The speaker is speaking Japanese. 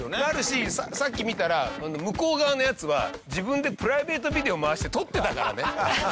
なるしさっき見たら向こう側のヤツは自分でプライベートビデオ回して撮ってたからね。